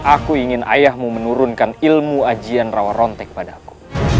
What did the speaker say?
aku ingin ayahmu menurunkan ilmu ajian rawa ronte kepada aku